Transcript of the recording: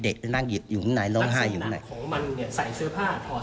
เด็กก็นั่งห้องไห้อยู่ในนั้น